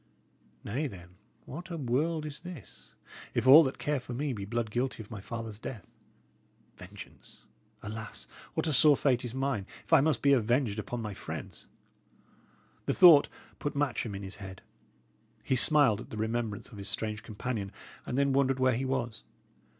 Nay, then, what a world is this, if all that care for me be blood guilty of my father's death? Vengeance! Alas! what a sore fate is mine, if I must be avenged upon my friends!" The thought put Matcham in his head. He smiled at the remembrance of his strange companion, and then wondered where he was.